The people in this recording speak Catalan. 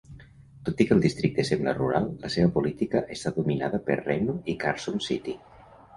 Tot i que el districte sembla rural, la seva política està dominada per Reno i Carson City.